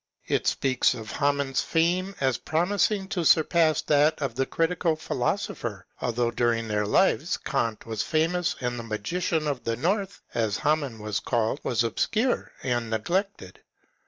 () It speaks of Hamann's fame as promising to surpass that of the Critical Philosopher, although during their lives Eant was famous and the '* Magician of the North," as Hamann was called, was obscure and neglected.